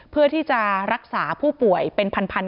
เพื่อที่จะรักษาผู้ป่วยเป็นพัน